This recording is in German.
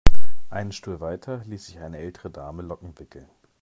Einen Stuhl weiter ließ sich eine ältere Dame Locken wickeln.